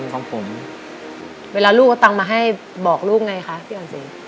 พ่อผมจะช่วยพ่อผมจะช่วยพ่อผมจะช่วย